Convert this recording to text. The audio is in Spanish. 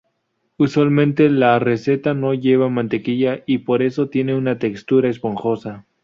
Usualmente la receta no lleva mantequilla y por eso tiene una textura esponjosa.